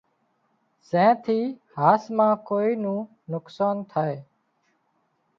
زين ٿي هاس مان ڪوئي نُون نقصان ٿائي